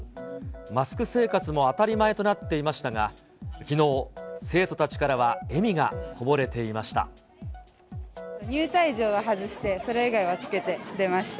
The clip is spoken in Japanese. マスク生活も当たり前となっていましたが、きのう、生徒たちから入退場は外して、それ以外は着けて出ました。